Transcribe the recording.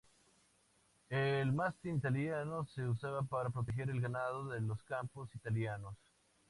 El Mastín italiano se usaba para proteger el ganado de los campos italianos.